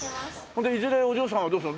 いずれお嬢さんはどうするの？